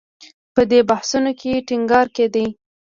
په دې بحثونو کې ټینګار کېده